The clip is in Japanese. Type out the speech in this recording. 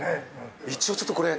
一応ちょっとこれ。